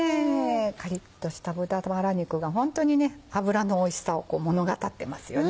カリっとした豚バラ肉がホントに脂のおいしさを物語ってますよね。